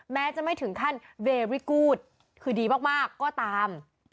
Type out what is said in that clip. แม้จะไม่ถึงขั้นเบรีกูธคือดีมากก็ตาม